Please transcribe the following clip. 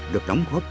được đóng góp